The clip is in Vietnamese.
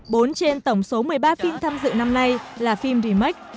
bốn trên tổng số một mươi ba phim tham dự năm nay là phim remec